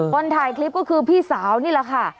คนถ่ายคลิปก็คือพี่สาวนี่แหละค่ะ